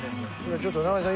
ちょっと中西さん